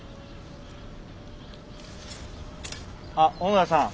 あっ小野田さん。